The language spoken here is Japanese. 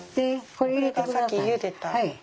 これがさっきゆでた。